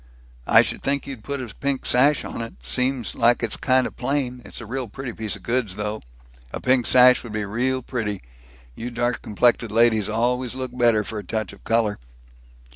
"I should think you'd put a pink sash on it. Seems like it's kind of plain it's a real pretty piece of goods, though. A pink sash would be real pretty. You dark complected ladies always looks better for a touch of color."